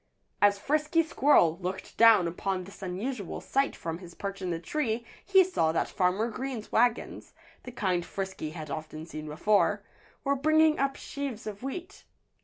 As Frisky Squirrel looked down upon this unusual sight from his perch in the tree he saw that Farmer Green's wagons the kind Frisky had often seen before were bringing up sheaves of wheat.